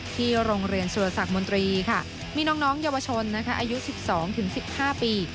ที่โรงเรียนสุรสักมนตรีค่ะมีน้องเยาวชนอายุ๑๒๑๕ปี